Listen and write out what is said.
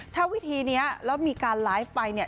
ถ้าวิธีนี้แล้วมีการไลฟ์ไปเนี่ย